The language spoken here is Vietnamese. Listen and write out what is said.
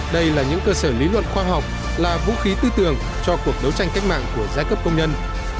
đây là những cơ sở lý luận khoa học là vũ khí tư tưởng cho cuộc đấu tranh cách mạng của giai cấp công nhân